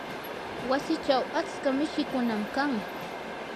wasichaw atska mishikunam kan.